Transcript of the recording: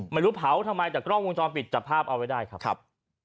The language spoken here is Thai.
ไม่รู้เผาทำไมแต่กล้องวงจรปิดจับภาพเอาไว้ได้ครับ